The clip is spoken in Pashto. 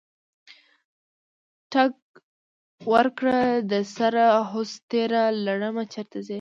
ټک ورکړه دسره هوس تیره لړمه چرته یې؟